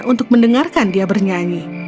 untuk mendengarkan dia bernyanyi